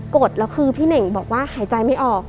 กดแล้วคือพี่เน่งบอกว่าหายใจไม่ออก